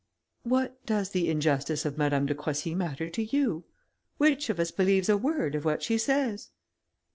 "What does the injustice of Madame de Croissy matter to you? Which of us believes a word of what she says?"